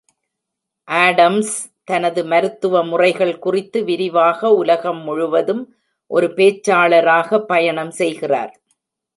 Adams தனது மருத்துவ முறைகள் குறித்து விரிவாக உலகம் முழுவதும் ஒரு பேச்சாளராக பயணம் செய்கிறார்.